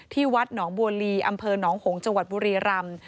ที่วัดหนองบัวลีอำเภอหนองโหงจบุรีรำ